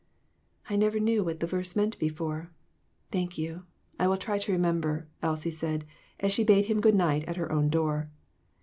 "I never knew what the verse meant before; thank you, I will try to remember," Elsie said, as she bade him good night at her own door.